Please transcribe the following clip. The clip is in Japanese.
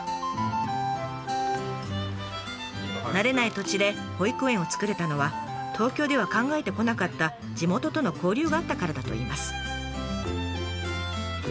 慣れない土地で保育園を作れたのは東京では考えてこなかった地元との交流があったからだといいます。